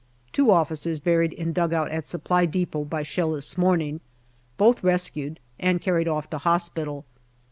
Two officers buried in dugout at Supply depot by shell this morning. Both rescued and carried off to hospital.